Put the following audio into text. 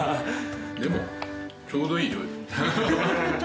でもちょうどいい量です。